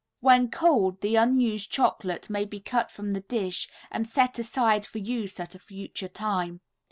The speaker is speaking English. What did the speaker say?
When cold, the unused chocolate may be cut from the dish and set aside for use at a future time.